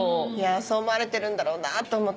そう思われてるんだろうなと思ったからさ